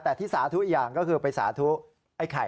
แต่ที่สาธุอย่างก็คือไปสาธุไอ้ไข่